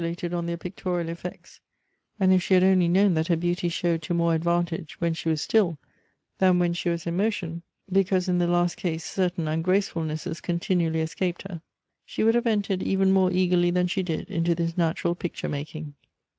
a ted on their pictorial effects, and if she had only known that her beauty showed to more advantage when she was still than when she was in motion, because in the last case certain ungracefulnesses continually escaped her, she would have entered even more eagerly than she did into this natural picture making.